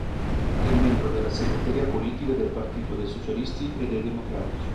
È membro della segreteria politica del Partito dei Socialisti e dei Democratici.